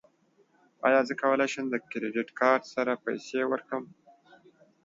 ایا زه کولی شم د کریډیټ کارت سره پیسې ورکړم؟